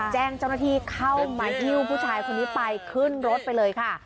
แจ้งเจ้าหน้าที่เข้ามาหิ้วผู้ชายคนนี้ไปขึ้นรถไปเลยค่ะ